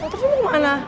motornya mau kemana